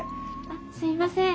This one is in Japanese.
あっすいません。